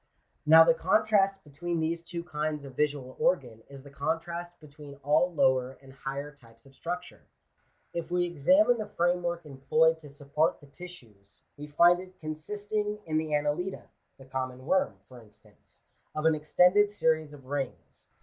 Now the contrast between these two kinds of visual organ is the contrast between all lower and higher types of structure. If we examine the framework employed to support the tissues, we find it consist ing in the Annelida (the common worm, for instance) of an extended series of rings.